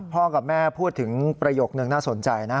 กับแม่พูดถึงประโยคนึงน่าสนใจนะ